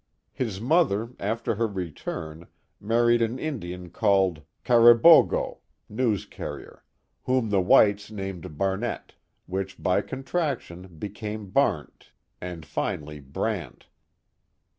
His mother, after her return, married an Indian called Car ri bo go (news carrier) whom the whiles named Barnet; which by contraction became Barm and finally Brant.